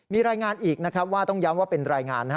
มีรายงานอีกนะครับว่าต้องย้ำว่าเป็นรายงานนะฮะ